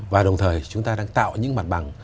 và đồng thời chúng ta đang tạo những mặt bằng